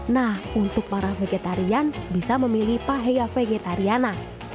nah untuk para vegetarian bisa memilih pahea vegetariana